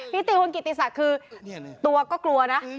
พี่ตีคุณของกิตตีสักคือทั่วก็กลัวนะ